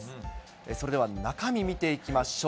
それでは中身見ていきましょう。